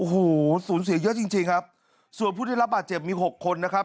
โอ้โหสูญเสียเยอะจริงจริงครับส่วนผู้ได้รับบาดเจ็บมีหกคนนะครับ